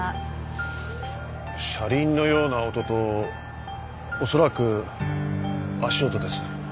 車輪のような音とおそらく足音です。